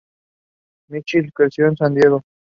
Michaels creció en San Diego.